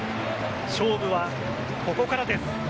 勝負はここからです。